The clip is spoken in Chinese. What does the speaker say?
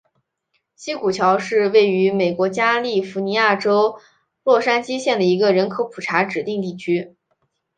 西谷桥是位于美国加利福尼亚州洛杉矶县的一个人口普查指定地区。